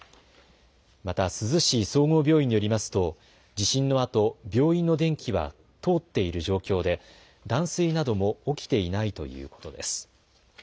また珠洲市総合病院によりますと地震のあと病院の電気は通っている状況で断水なども起きていないということです。